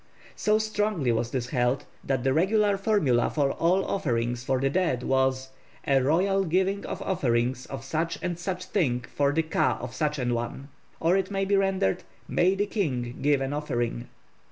So strongly was this held that the regular formula for all offerings for the dead was 'A royal giving of offerings of such and such things for the ka of such an one,' or it may be rendered 'May the king give an offering.'